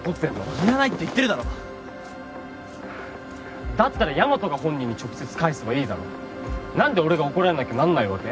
いらないって言ってるだろだったらヤマトが本人に直接返せばいいだろ何で俺が怒られなきゃなんないわけ？